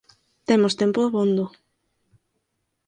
Temos tempo abondo